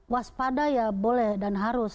waspada ya boleh dan harus